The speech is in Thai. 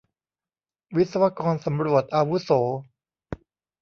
วิศวกรสำรวจอาวุโส